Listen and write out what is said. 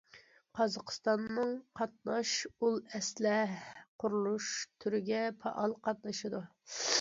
قازاقىستاننىڭ قاتناش ئۇل ئەسلە قۇرۇلۇش تۈرىگە پائال قاتنىشىدۇ.